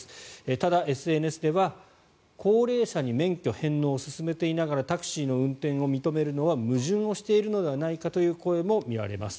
ただＳＮＳでは、高齢者に免許返納を勧めていながらタクシーの運転を認めるのは矛盾しているのではないかという声もみられます。